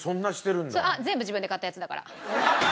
全部自分で買ったやつだから。